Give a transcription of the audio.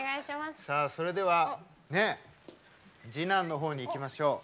さあそれでは次男の方に行きましょう。